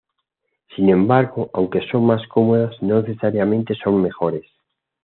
Sin embargo, aunque son más cómodas no necesariamente son mejores.